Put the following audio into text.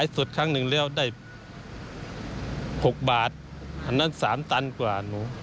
ส่างหนึ่งเลี้ยวได้๖บาทอันนั้น๓ตันกว่า